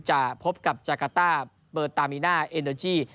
จะพบกับจาการ์ต้าเปอร์ตามีนาเอ็นเตอร์จี